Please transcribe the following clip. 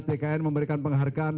tkn memberikan penghargaan